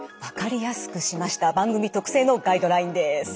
分かりやすくしました番組特製のガイドラインです。